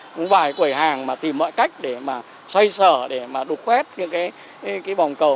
không phải quẩy hàng mà tìm mọi cách để xoay sở đục khuét những vòng cầu